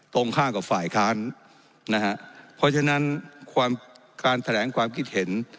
ตรงข้างกับฝ่ายค้านนะฮะเพราะฉะนั้นความการแถลงความคิดเห็น